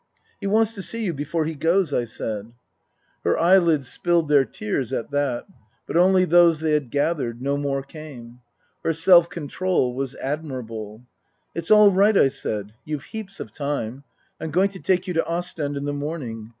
" He wants to see you before he goes," I said. Book I : My Book 73 Her eyelids spilled their tears at that ; but only those they had gathered ; no more came. Her self control was admirable. " It's all right," I said. " You've heaps of time. I'm going to take you to Ostend in the morning.